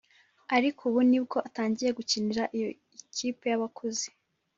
ariko ubu nibwo atangiye gukinira iyo kipe y’abakuze